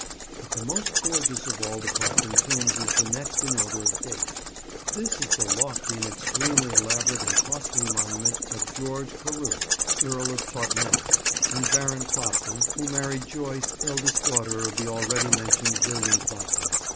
But the most gorgeous of all the Clopton tombs is the next in order of date. This is the lofty and extremely elaborate and costly monument of George Carew, Earl of Totnes and Baron Clopton, who married Joyce, eldest daughter of the already mentioned William Clopton.